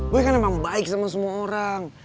gue kan emang baik sama semua orang